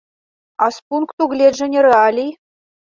А з пункту гледжання рэалій?